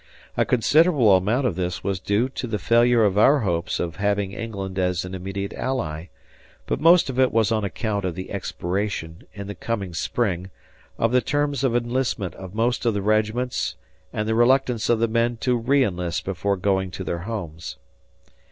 A considerable amount of this was due to the failure of our hopes of having England as an immediate ally, but most of it was on account of the expiration, in the coming spring, of the terms of enlistment of most of the regiments and the reluctance of the men to reënlist before going to their homes.